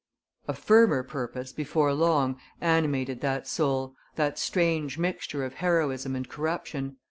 A firmer purpose, before long, animated that soul, that strange mixture of heroism and corruption.